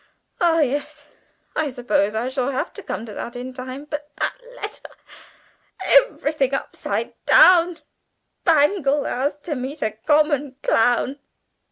Ah, yes, I suppose I shall have to come to that in time. But that letter Everything upside down Bangle asked to meet a common clown!